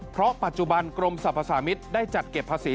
เพราะปัจจุบันกรมสรรพสามิตรได้จัดเก็บภาษี